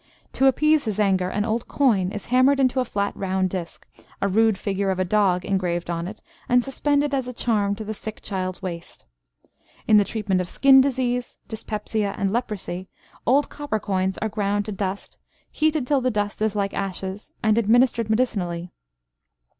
To appease his anger, an old coin is hammered into a flat round disc, a rude figure of a dog engraved on it, and suspended as a charm to the sick child's waist. In the treatment of skin disease, dyspepsia, and leprosy, old copper coins are ground to dust, heated till the dust is like ashes, and administered medicinally.